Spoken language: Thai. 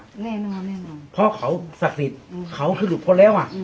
แน่นอนแน่นอนเพราะเขาศักดิ์สิทธิ์เขาคือหลุดพ้นแล้วอ่ะ